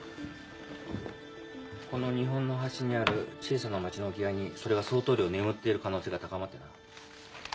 この日本の端にある小さな町の沖合にそれが相当量眠っている可能性が高まってな。